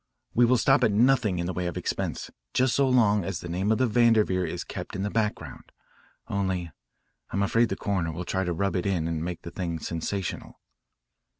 We will stop at nothing in the way of expense just so long as the name of the Vanderveer is kept in the background. Only, I'm afraid the coroner will try to rub it in and make the thing sensational."